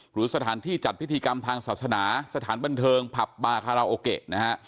หรือสถานที่จัดพิธีกรรมทางศาสนาสถานบันเทิงผับบาคาราโอเกะนะฮะ